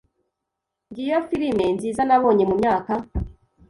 Ngiyo firime nziza nabonye mumyaka.